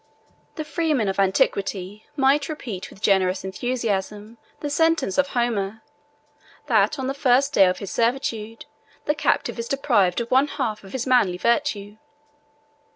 The freemen of antiquity might repeat with generous enthusiasm the sentence of Homer, "that on the first day of his servitude, the captive is deprived of one half of his manly virtue."